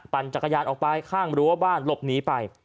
จักรยานออกไปข้างรั้วบ้านหลบหนีไป